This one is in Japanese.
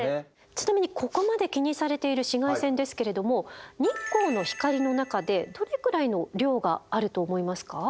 ちなみにここまで気にされている紫外線ですけれども日光の光の中でどれくらいの量があると思いますか？